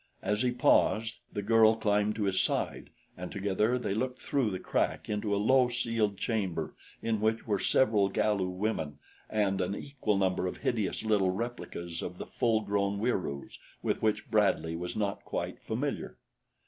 As he paused, the girl climbed to his side, and together they looked through the crack into a low ceiled chamber in which were several Galu women and an equal number of hideous little replicas of the full grown Wieroos with which Bradley was not quite familiar.